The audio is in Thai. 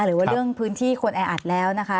หรือว่าเรื่องพื้นที่ควรแออัดแล้วนะคะ